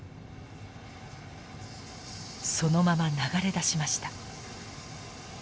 そのまま流れ出しました。